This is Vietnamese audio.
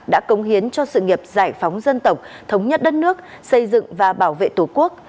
đã cống hiến cho sự nghiệp giải phóng dân tộc thống nhất đất nước xây dựng và bảo vệ tổ quốc